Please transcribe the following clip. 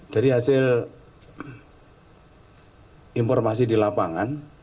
dari hasil informasi di lapangan